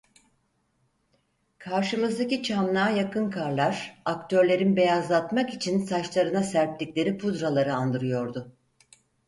Karşımızdaki çamlığa yakın karlar, aktörlerin beyazlatmak için saçlarına serptikleri pudraları andırıyordu.